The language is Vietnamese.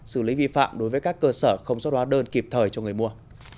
xử lý vi phạm đối với các cơ sở không xuất hóa đơn kịp thời cho người mua